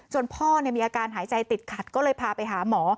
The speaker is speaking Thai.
พ่อมีอาการหายใจติดขัดก็เลยพาไปหาหมอ